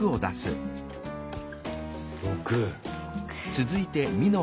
６。